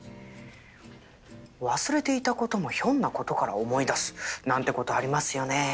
忘れていた事もひょんな事から思い出すなんて事ありますよね。